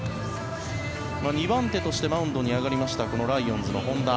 ２番手としてマウンドに上がりましたこのライオンズの本田。